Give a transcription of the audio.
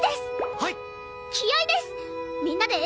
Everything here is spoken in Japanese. はい。